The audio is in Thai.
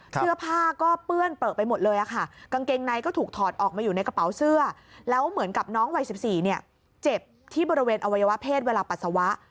ที่บริเวณอวัยวะเพศเวลาปัสสาวะ